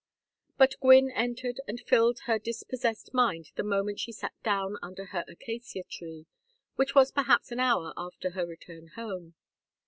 But Gwynne entered and filled her dispossessed mind the moment she sat down under her acacia tree, which was perhaps an hour after her return home.